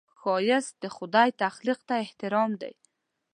ښایست د خدای تخلیق ته احترام دی